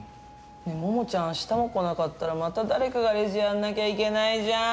ねえ桃ちゃん明日も来なかったらまた誰かがレジやんなきゃいけないじゃん。